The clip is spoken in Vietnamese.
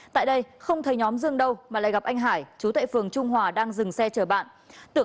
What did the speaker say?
tại đây không thấy nhóm dương đâu mà lại gặp anh hải chú tệ phường trung hòa đang dừng xe chở bạn